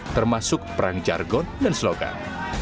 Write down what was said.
termasuk perang jargon dan slogan